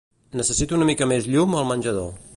Necessito una mica més llum al menjador.